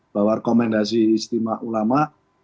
bahwa rekomendasi isi ulama